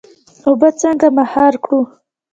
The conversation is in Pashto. اوبه څنګه مهار کړو؟